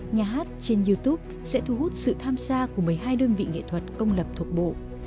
nhà hát trên youtube sẽ thu hút sự tham gia của một mươi hai đơn vị nghệ thuật công lập thuộc bộ